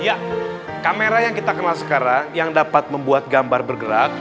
ya kamera yang kita kenal sekarang yang dapat membuat gambar bergerak